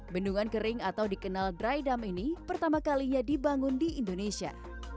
bendungan kering atau dikenal dry dump ini pertama kalinya dibangun di indonesia